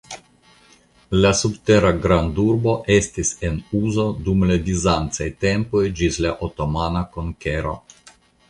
La subtera grandurbo estis en uzo dum la bizancaj tempoj ĝis la otomana konkero.